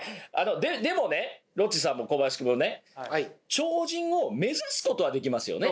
でもねロッチさんも小林くんもね超人を目指すことはできますよね。